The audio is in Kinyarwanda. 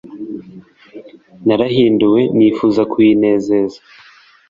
nara hinduwe nifuza kuyinezeza